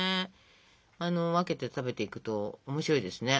分けて食べていくと面白いですね。